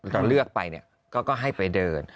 ตอนเลือกไปก็ให้ไปเดิน